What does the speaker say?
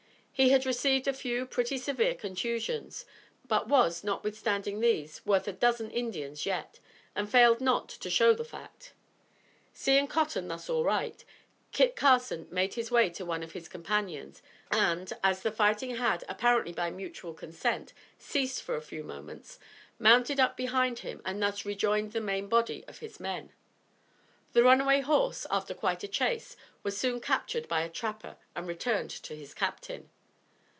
He had received a few pretty severe contusions, but was, notwithstanding these, worth a dozen Indians yet, and failed not to show the fact. Seeing Cotton thus all right, Kit Carson made his way to one of his companions, and, as the fighting had, apparently by mutual consent, ceased for a few moments, mounted up behind him and thus rejoined the main body of his men. The runaway horse, after quite a chase, was soon captured by a trapper and returned to his captain.